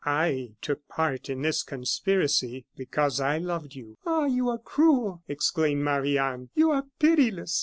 "I took part in this conspiracy because I loved you " "Ah! you are cruel!" exclaimed Marie Anne, "you are pitiless!"